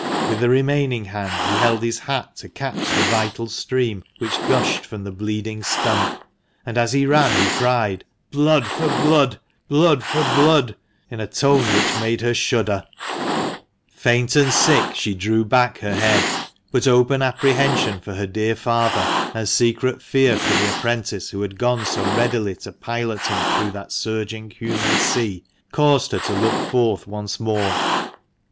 With the remaining hand he held his hat to catch the vital stream which gushed from the bleeding stump ; and as he ran, he cried " Blood for blood ! blood for blood !" in a tone which made her shudder. A PETERLOO INCIDENT. THE MANCHESTER MAN. 181 Faint and sick she drew back her head ; but open apprehension for her dear father, and secret fear for the apprentice who had gone so readily to pilot him through that surging human sea, caused her to look forth once more.